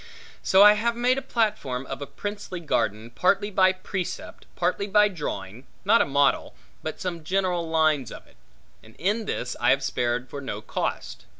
So I have made a platform of a princely garden, partly by precept, partly by drawing, not a model, but some general lines of it; and in this I have spared for no cost.